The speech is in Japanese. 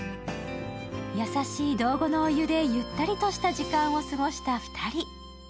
優しい道後のお湯でゆったりとした時間を過ごした２人。